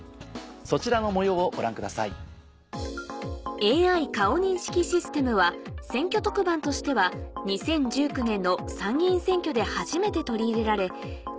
そちらの模様をご覧くださいＡＩ顔認識システムは選挙特番としては２０１９年の参議院選挙で初めて取り入れられ候補者の顔と名前を一致させるのに役立ちました